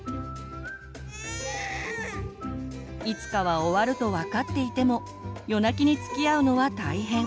いつかは終わると分かっていても夜泣きにつきあうのは大変。